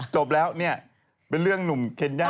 จบแล้วเนี่ยเป็นเรื่องหนุ่มเคนย่า